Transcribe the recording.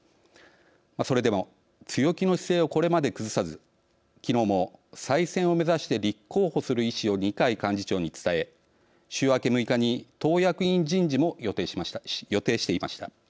それでも強気の姿勢をこれまで崩さずきのうも再選を目指して立候補する意思を二階幹事長に伝え週明け６日に党役員人事も予定していました。